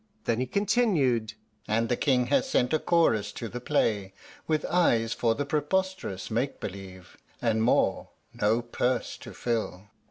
Then he continued, "And the King has sent a chorus to the play, with eyes for the preposterous make believe, and more, no purse to fill."